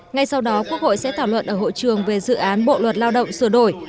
ngay sau đó quốc hội sẽ thảo luận ở hội trường về dự án bộ luật lao động sửa đổi